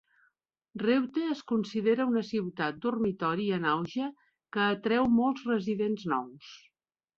Reute es considera una ciutat-dormitori en auge que atreu molts residents nous.